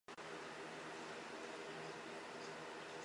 在民用领域使用自动目标识别也有着越来越多的尝试。